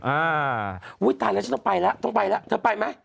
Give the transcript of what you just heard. อุ้ยตายแล้วฉันต้องไปแล้วต้องไปแล้วเธอไปไหม